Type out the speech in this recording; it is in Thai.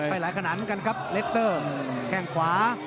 หลายขนาดเหมือนกันครับเล็ตเตอร์แข้งขวา